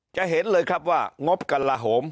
จะเห็นเลยครับว่างบกระลาโหม